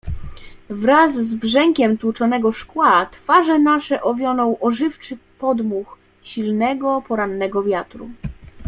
"Wraz z brzękiem tłuczonego szkła twarze nasze owionął ożywczy podmuch silnego, porannego wiatru."